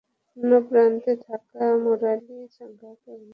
অন্য প্রান্তে থাকা মুরালি সাঙ্গাকে অভিনন্দন জানাতে ক্রিজ ছেড়ে বেরিয়ে আসেন।